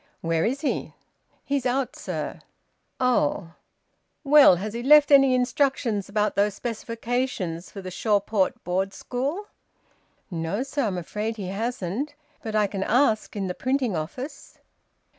"Where is he?" "He's out, sir." "Oh! Well! Has he left any instructions about those specifications for the Shawport Board School?" "No, sir. I'm afraid he hasn't. But I can ask in the printing office."